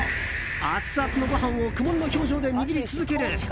アツアツのご飯を苦悶の表情で握り続ける。